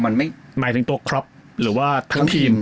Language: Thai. มันไม่หมายถึงตัวครอปหรือว่าทั้งทีม